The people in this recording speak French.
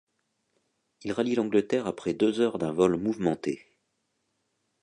Ils rallient l'Angleterre après deux heures d'un vol mouvementé.